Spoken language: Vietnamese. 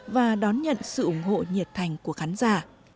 và đón nhận sự ủng hộ nhiệt thành của khán giả